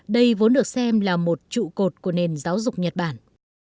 đây vốn được xem là một trụ cột của nền giáo dục nhật bản